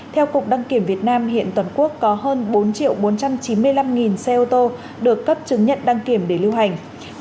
theo cục đăng kiểm việt nam hiện toàn quốc có hơn bốn bốn trăm chín mươi năm xe ô tô được cấp chứng nhận đăng kiểm để lưu hành